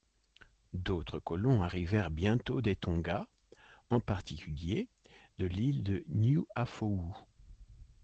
D’autres colons arrivèrent bientôt des Tonga, en particulier de l'île de Niuafoʻou.